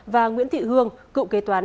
và nguyễn thị hương cựu kế toán